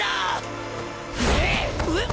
えっ？